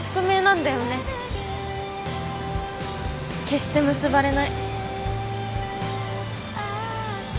決して結ばれない。